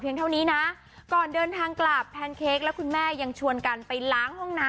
เท่านี้นะก่อนเดินทางกลับแพนเค้กและคุณแม่ยังชวนกันไปล้างห้องน้ำ